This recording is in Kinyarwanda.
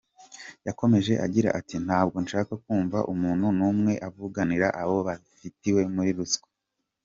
Yakomeje agira ati “Ntabwo nshaka kumva umuntu numwe avuganira abo bafatiwe muri ruswa.